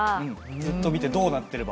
ずっと見てどうなってれば？